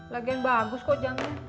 lagian bagus kok jamnya